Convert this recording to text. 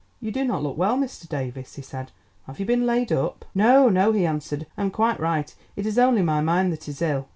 "You do not look well, Mr. Davies," he said. "Have you been laid up?" "No, no," he answered, "I am quite right; it is only my mind that is ill."